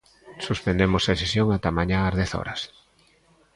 Suspendemos a sesión ata mañá as dez horas.